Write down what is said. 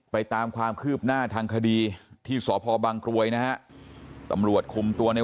ตามความคืบหน้าทางคดีที่สพบังกรวยนะฮะตำรวจคุมตัวใน